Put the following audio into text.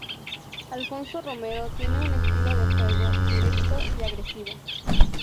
Alfonso Romero tiene un estilo de juego directo y agresivo.